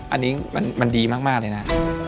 อันนี้มันดีมากเลยนะ